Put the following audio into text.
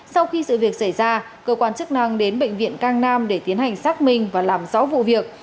sau khi sự việc xảy ra cơ quan chức năng đến bệnh viện cang nam để tiến hành xác minh và làm rõ vụ việc